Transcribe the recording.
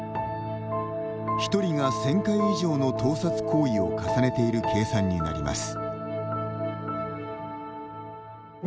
ひとりが１０００回以上の盗撮行為を重ねている計算になります。